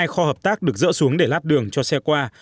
hai kho hợp tác được rỡ xuống để lắp đường cho xe qua